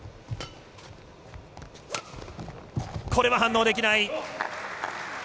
これは反応できない。